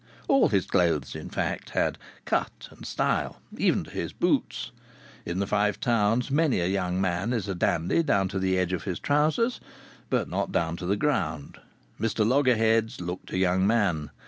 All his clothes, in fact, had "cut and style," even to his boots. In the Five Towns many a young man is a dandy down to the edge of his trousers, but not down to the ground. Mr Loggerheads looked a young man.